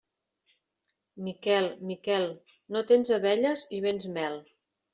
Miquel, Miquel, no tens abelles i vens mel.